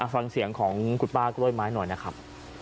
ฟังเสียงของคุณป้ากล้วยไม้หน่อยนะครับ